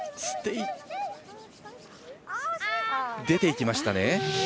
出ていきましたね。